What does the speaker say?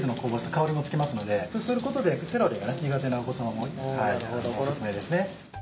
香りもつきますのでそうすることでセロリが苦手なお子さまもオススメですね。